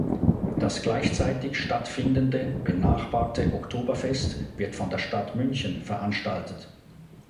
Das gleichzeitig stattfindende benachbarte Oktoberfest wird von der Stadt München veranstaltet.